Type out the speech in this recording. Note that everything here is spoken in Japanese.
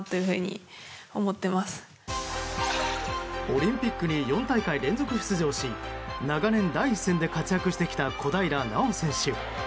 オリンピックに４大会連続出場し長年、第一線で活躍してきた小平奈緒選手。